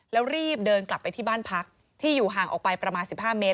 แล้วรีบเดินกลับไปที่บ้านพักที่อยู่ห่างออกไปประมาณ๑๕เมตร